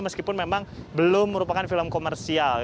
meskipun memang belum merupakan film komersial